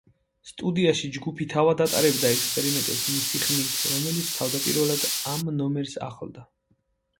სტუდიაში ჯგუფი თავად ატარებდა ექსპერიმენტებს მისი ხმით, რომელიც თავდაპირველად ამ ნომერს ახლდა.